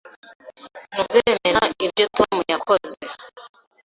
Ntuzemera ibyo Tom yakoze.